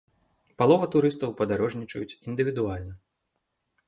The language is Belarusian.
Палова турыстаў падарожнічаюць індывідуальна.